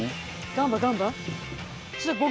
ガンバガンバ！